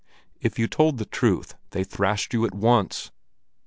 If you told the truth, they thrashed you at once.